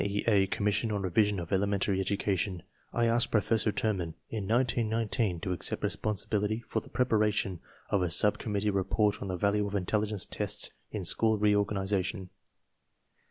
E. A. Commission on Revision of Elementary Education, I asked Professor Terman, in 1919, to accept responsibility for the preparation of a subcommittee report on the value of intelligence tests in school reorganization.